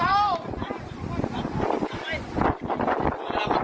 โอ้ยพอตกหน่อยแล้วถอยหลัง